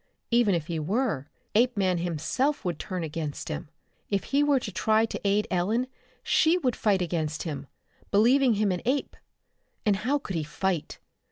Even if he were, Apeman himself would turn against him. If he were to try to aid Ellen she would fight against him, believing him an ape. And how could he fight?